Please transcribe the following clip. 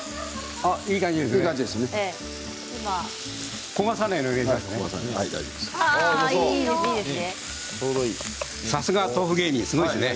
いい感じですね。